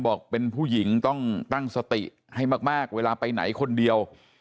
บอกเป็นผู้หญิงต้องตั้งสติให้มากเวลาไปไหนคนเดียว